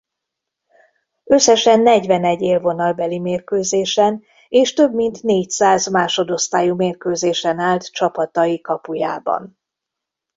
Összesen negyvenegy élvonalbeli mérkőzésen és több mint négyszáz másodosztályú mérkőzésen állt csapatai kapujában.